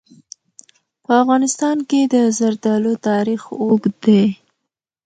په افغانستان کې د زردالو تاریخ اوږد دی.